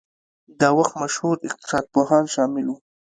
د وخت مشهور اقتصاد پوهان شامل وو.